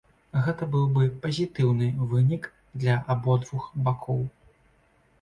Гэта быў бы пазітыўны вынік для абодвух бакоў.